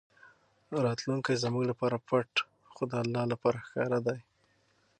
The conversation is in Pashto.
راتلونکی زموږ لپاره پټ خو د الله لپاره ښکاره دی.